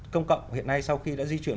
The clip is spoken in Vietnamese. công cộng hiện nay sau khi đã di chuyển